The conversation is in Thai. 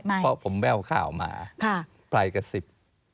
ไม่เพราะผมแว่วข่าวมาปลายกับ๑๐